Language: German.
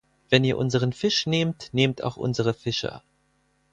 Wenn ihr unseren Fisch nehmt, nehmt ihr auch unsere Fischer.